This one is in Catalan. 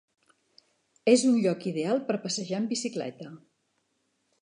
És un lloc ideal per passejar en bicicleta.